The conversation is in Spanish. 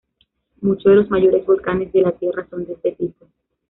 Muchos de los mayores volcanes de la tierra son de este tipo.